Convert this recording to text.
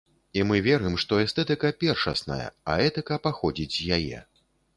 І мы верым, што эстэтыка першасная, а этыка паходзіць з яе.